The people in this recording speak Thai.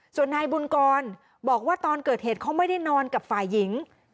ส่วนนายบุญกรบอกว่าตอนเกิดเหตุเขาไม่ได้นอนกับฝ่ายหญิง